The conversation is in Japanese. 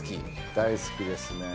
大好きですね。